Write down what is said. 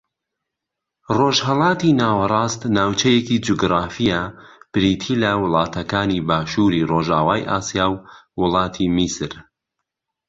ڕۆژھەڵاتی ناوەڕاست ناوچەیەکی جوگرافییە بریتی لە وڵاتەکانی باشووری ڕۆژاوای ئاسیا و وڵاتی میسر